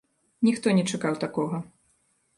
Ніхто не чакаў такога.